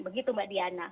begitu mbak diana